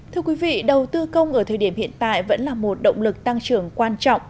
thưa quý vị đầu tư công ở thời điểm hiện tại vẫn là một động lực tăng trưởng quan trọng